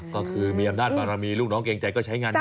ก็คือมีอำนาจบารมีลูกน้องเกรงใจก็ใช้งานนี้